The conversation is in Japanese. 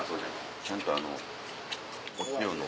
ちゃんとあのお塩の。